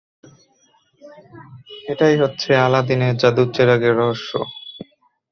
এটাই হচ্ছে আলাদীনের জাদুর চেরাগের রহস্য।